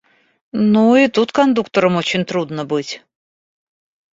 Ну, и тут кондуктором очень трудно быть!